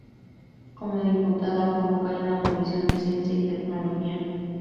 Como diputada fue vocal en la comisión de Ciencia y Tecnología.